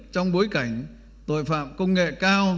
trong bối cảnh tội phạm công nghệ cao